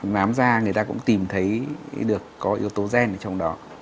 nám ra người ta cũng tìm thấy được có yếu tố gen ở trong đó